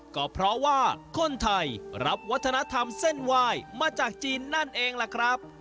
ก็เพราะว่าคนไทยรับวัฒนธรรมเส้นไหว้มาจากจีนนั่นเองล่ะครับ